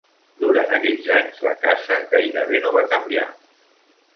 Durant aquells anys, la casa gairebé no va canviar.